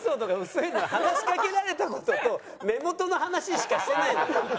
話かけられた事と目元の話しかしてないのよ。